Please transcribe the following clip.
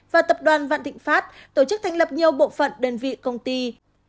và tập đoàn vạn thịnh pháp tổ chức thành lập nhiều bộ phận đơn vị công ty